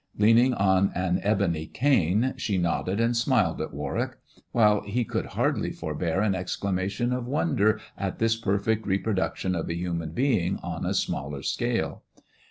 Leaning on an ebon] she nodded and smiled at Warwick ; while he could forbear an exclamation of wonder at this perfect duction of a human being on a smaller scale.